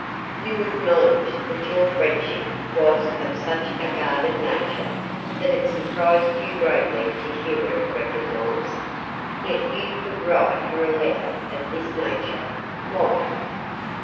You acknowledge that your friendship was of such a guarded nature that it surprised you greatly to hear it recognised. Yet you could write her a letter of this nature. Why?"